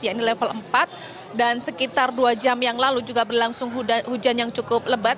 yaitu level empat dan sekitar dua jam yang lalu juga berlangsung hujan yang cukup lebat